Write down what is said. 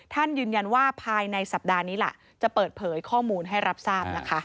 ท่านยืนยันว่าภายในสัปดาห์นี้ล่ะจะเปิดเผยข้อมูลให้รับทราบนะคะ